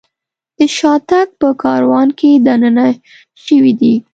د شاتګ په کاروان کې دننه شوي دي.